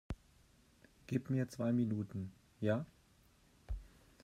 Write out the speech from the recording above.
Gib mir zwei Minuten, ja?